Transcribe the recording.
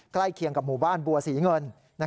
ใกล้เคียงกับหมู่บ้านบัวศรีเงิน